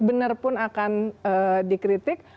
bener pun akan dikritik